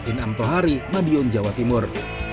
in amto hari madiun jawa timur